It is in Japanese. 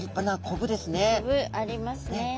コブありますね。